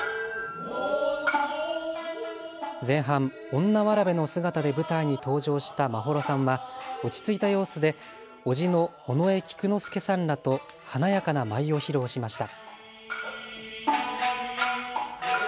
前半、女童の姿で舞台に登場した眞秀さんは落ち着いた様子で叔父の尾上菊之助さんらと華やかな舞を披露しました。